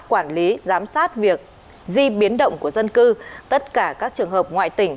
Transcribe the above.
quản lý giám sát việc di biến động của dân cư tất cả các trường hợp ngoại tỉnh